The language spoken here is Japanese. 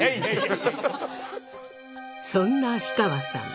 そんな火川さん